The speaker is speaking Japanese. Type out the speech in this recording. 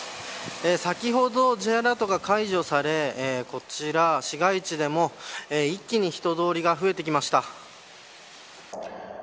先ほど、Ｊアラートが解除されこちら、市街地でも一気に人通りが増えてきました。